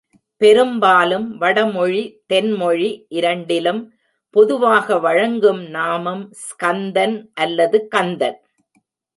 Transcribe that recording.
பெரும்பாலும் வடமொழி தென்மொழி இரண்டிலும் பொதுவாக வழங்கும் நாமம் ஸ்கந்தன் அல்லது கந்தன்.